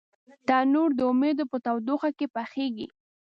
تنور د امیدو په تودوخه کې پخېږي